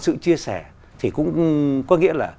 sự chia sẻ thì cũng có nghĩa là